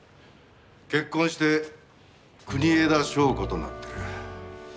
結婚して国枝祥子となってる。